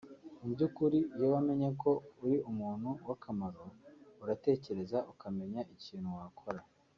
Mu by’ukuri iyo wamenye ko uri umuntu w’akamaro uratekereza ukamenya n’ikintu wakora